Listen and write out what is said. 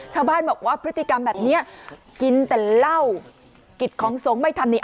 ชาวบ้านบอกว่าพฤติกรรมแบบนี้กินแต่เหล้ากิจของสงฆ์ไม่ทำนี่